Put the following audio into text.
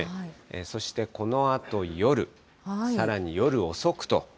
そしてこのあと夜、さらに夜遅くと。